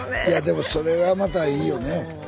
いやでもそれがまたいいよね。